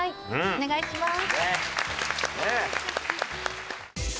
お願いします！